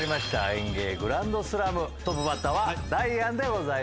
『ＥＮＧＥＩグランドスラム』トップバッターはダイアンでございました。